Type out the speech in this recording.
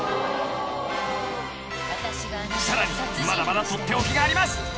［さらにまだまだ取って置きがあります］